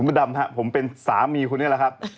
ดำครับผมเป็นสามีคุณนี่แหละครับ